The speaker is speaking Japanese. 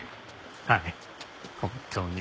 はい本当に。